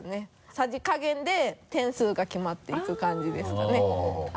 さじ加減で点数が決まっていく感じですかねあぁ。